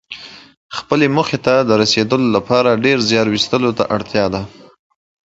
Be committed and decisive.